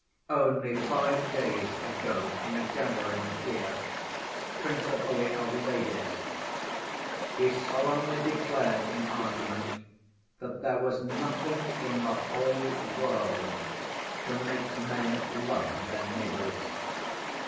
Only five days ago, in a gathering here, principally of ladies, he solemnly declared in argument that there was nothing in the whole world to make men love their neighbors.